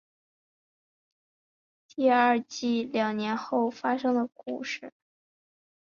第二季两年后发生的故事。